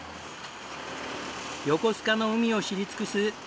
横須賀の海を知り尽くす弥